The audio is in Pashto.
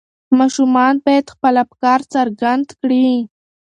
ماشومان باید خپل افکار څرګند کړي.